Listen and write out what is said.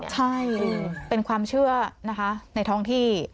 ใช่เป็นความเชื่อนะคะในท้องที่